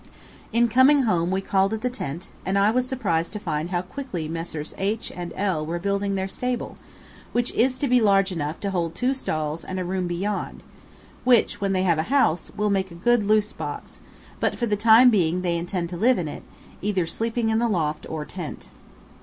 In coming home we called at the tent, and I was surprised to find how quickly Messrs. H and L were building their stable, which is to be large enough to hold two stalls and a room beyond, which, when they have a house, will make a good loose box; but for the time being they intend to live in, either sleeping in the loft or tent.